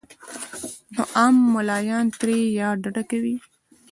نو عام ملايان ترې يا ډډه کوي